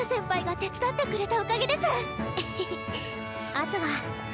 あとはん？